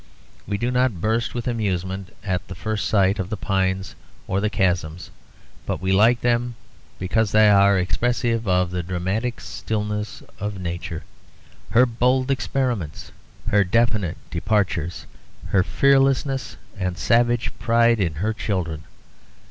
We do not burst with amusement at the first sight of the pines or the chasm; but we like them because they are expressive of the dramatic stillness of Nature, her bold experiments, her definite departures, her fearlessness and savage pride in her children.